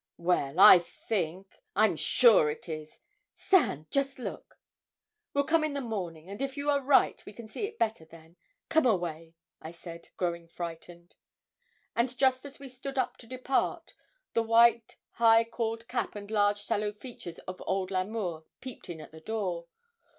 'Well I think, I'm sure it is. Stand just look.' 'We'll come in the morning, and if you are right we can see it better then. Come away,' I said, growing frightened. And just as we stood up to depart, the white high cauled cap and large sallow features of old L'Amour peeped in at the door.